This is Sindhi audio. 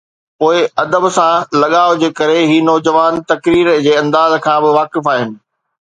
پوءِ ادب سان لڳاءُ جي ڪري هي نوجوان تقرير جي انداز کان به واقف آهن.